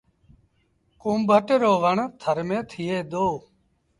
ڪُونڀٽ رو وڻ ٿر ميݩ ٿئي دو۔